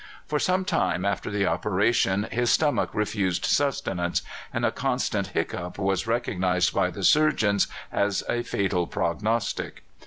For some time after the operation his stomach refused sustenance, and a constant hiccough was recognized by the surgeons as a fatal prognostic.